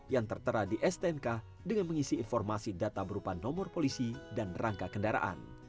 yang tertera di stnk dengan mengisi informasi data berupa nomor polisi dan rangka kendaraan